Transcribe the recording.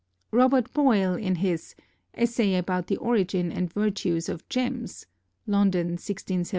Robert Boyle, in his "Essay about the Origin and Virtues of Gems" (London, 1672, pp.